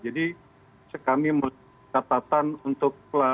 jadi kami mengatakan untuk